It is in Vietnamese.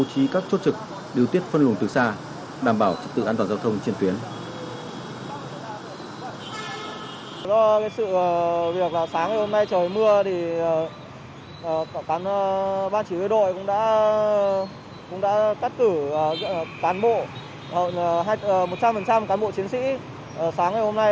các tử cán bộ một trăm linh cán bộ chiến sĩ sáng ngày hôm nay